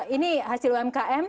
ini hasil umkm